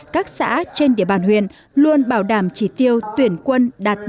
các xã trên địa bàn huyện luôn bảo đảm chỉ tiêu tuyển quân đạt một trăm linh